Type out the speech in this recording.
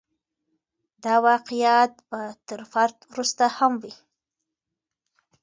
دا واقعیت به تر فرد وروسته هم وي.